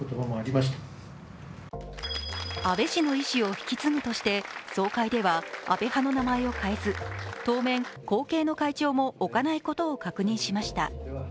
安倍氏の意思を引き継ぐとして総会では、安倍派名前を変えず、当面後継の会長も置かないことを確認しました。